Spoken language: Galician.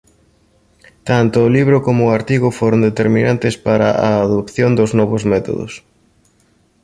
Tanto o libro como o artigo foron determinantes para a adopción dos novos métodos.